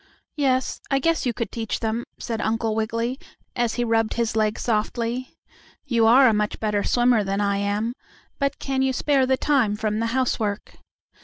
"Yes, I guess you could teach them," said Uncle Wiggily, as he rubbed his leg softly. "You are a much better swimmer than I am; but can you spare the time from the housework?"